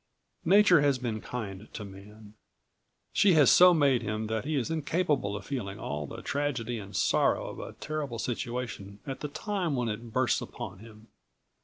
Nature has been kind to man. She has so made him that he is incapable of feeling all the tragedy and sorrow of a terrible situation at the time when it bursts upon him.